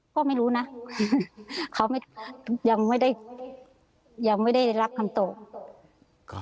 ไม่รู้นะเขายังไม่ได้ยังไม่ได้รับคำตอบ